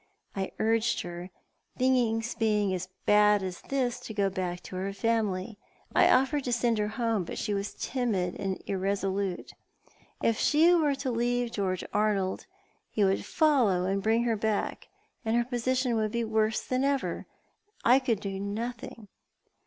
I urged her, things being as bad as this, to go back to her family. I offered to send her home, but she was timid and irresolute. If she were to leave George Arnold he would follow and bring her back, and her position would be worse than ever. I could do nothing."